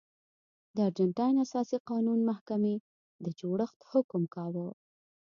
د ارجنټاین اساسي قانون محکمې د جوړښت حکم کاوه.